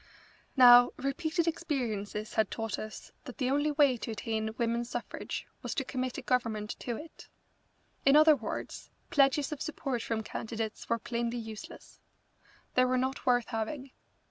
Now repeated experiences had taught us that the only way to attain women's suffrage was to commit a Government to it. In other words, pledges of support from candidates were plainly useless. They were not worth having.